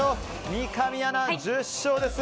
三上アナ、１０勝です。